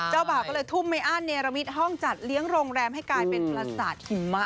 บ่าวก็เลยทุ่มไม่อ้านเนรมิตห้องจัดเลี้ยงโรงแรมให้กลายเป็นประสาทหิมะ